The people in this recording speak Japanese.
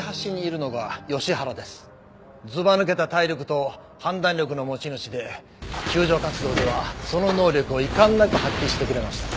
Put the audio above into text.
ずばぬけた体力と判断力の持ち主で救助活動ではその能力を遺憾なく発揮してくれました。